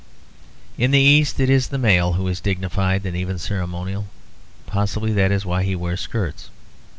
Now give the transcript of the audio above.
In the East it is the male who is dignified and even ceremonial. Possibly that is why he wears skirts.